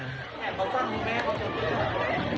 ตรงที่แม่เกิดไม่ได้